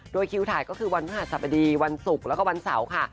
โดยคิวถ่ายก็คือวันพระหัสบดีวันศุกร์แล้วก็วันเสาร์ค่ะ